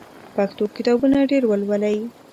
پښتو کتابونه ډېر ولولئ.